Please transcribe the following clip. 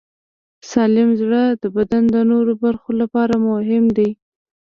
سالم زړه د بدن د نورو برخو لپاره مهم دی.